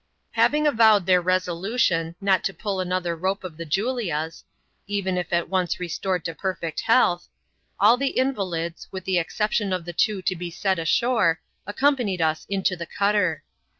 Having avowed their resolution not to pull another rope of the Julia's — even if at once restored to perfect health — all the invalids, with the exception of the two to be set ashore, accom" panied us into the cutter.